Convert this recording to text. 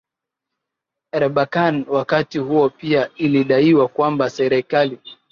Erbakan Wakati huo pia ilidaiwa kwamba serekali